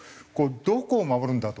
どこを守るんだ？と。